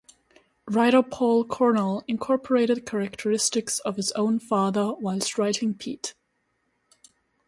Writer Paul Cornell incorporated characteristics of his own father whilst writing Pete.